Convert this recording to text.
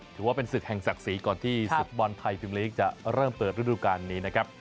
ถือว่าเป็นศึกแห่งศักดิ์ศรีก่อนที่ศึกบอลไทยพิมลีกจะเริ่มเปิดฤดูการนี้นะครับ